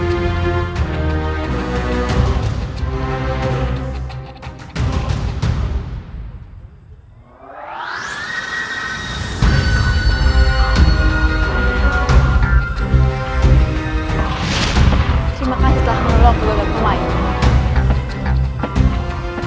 terima kasih telah mengelola gue dan pemain